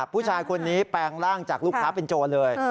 ผู้ชายคนนี้แปลงร่างจากลูกค้าเป็นโจรเลย